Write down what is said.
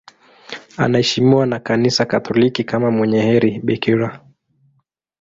Anaheshimiwa na Kanisa Katoliki kama mwenye heri bikira.